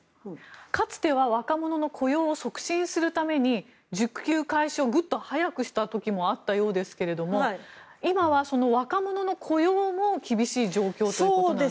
かつては若者の雇用を促進するために受給開始をぐっと早くした時もあったようですが今は若者の雇用も厳しい状況ということなんですか。